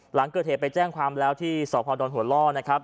หลังเกิดเหตุไปแจ้งความแล้วที่สพดหัวล่อนะครับ